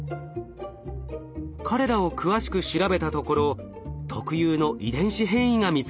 彼らを詳しく調べたところ特有の遺伝子変異が見つかりました。